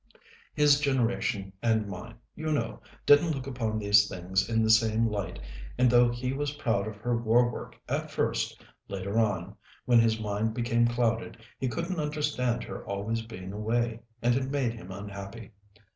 "His generation and mine, you know, didn't look upon these things in the same light, and though he was proud of her war work at first, later on, when his mind became clouded, he couldn't understand her always being away, and it made him unhappy.